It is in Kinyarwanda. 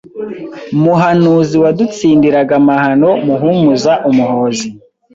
Muhanuzi wadutsindiraga amahano Muhumuza Umuhozi